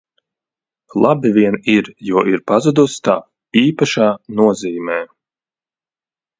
Labi vien ir, jo ir pazudusi tā īpašā nozīmē.